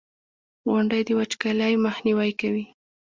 • غونډۍ د وچکالۍ مخنیوی کوي.